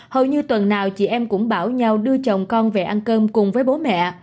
hầu như tuần nào chị em cũng bảo nhau đưa chồng con về ăn cơm cùng với bố mẹ